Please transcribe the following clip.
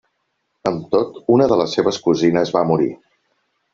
Amb tot, una de les seves cosines va morir.